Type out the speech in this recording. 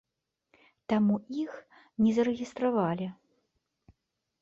Таму іх не зарэгістравалі.